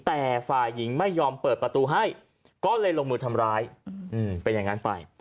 แต่ฝ่ายหญิงไม่ยอมเปิดประตูให้ก็เลยลงมือทำร้ายเป็นอย่างนั้นไป